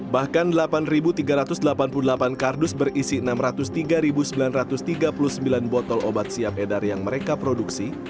bahkan delapan tiga ratus delapan puluh delapan kardus berisi enam ratus tiga sembilan ratus tiga puluh sembilan botol obat siap edar yang mereka produksi